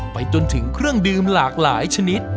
ไปจนถึงเครื่องดื่มหลากหลายชนิด